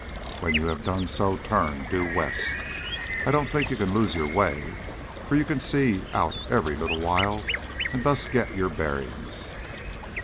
When you have done so turn due west. I don't think you can lose your way for you can see out every little while and thus get your bearings."